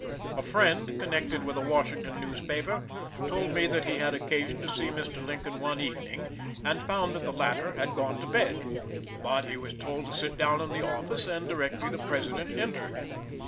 A friend, connected with a Washington newspaper, told me that he had occasion to see Mr. Lincoln one evening, and found that the latter had gone to bed. But he was told to sit down in the office, and directly the President entered.